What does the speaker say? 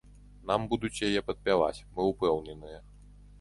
Нам будуць яе падпяваць, мы упэўненыя.